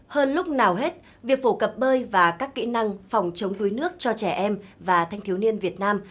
hơn lúc nào hết việc phổ cập bơi và các kỹ năng phòng chống đuối nước cho trẻ em và thanh thiếu niên việt nam